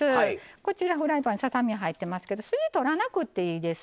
こちらフライパンささ身入ってますけど筋取らなくていいです。